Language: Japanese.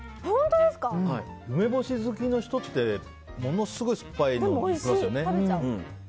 梅干し好きの人ってものすごい酸っぱいのにいきますよね。